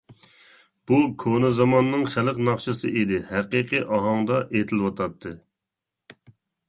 بۇ كونا زاماننىڭ خەلق ناخشىسى ئىدى، ھەقىقىي ئاھاڭدا ئېيتىلىۋاتاتتى.